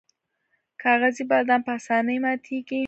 کاغذي بادام په اسانۍ ماتیږي.